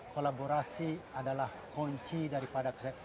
kolaborasi adalah kunci daripada